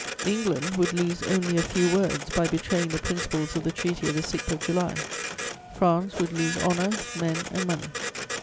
England would lose only a few words by betraying the principles of the Treaty of the 6th of July; France would lose honour, men and money.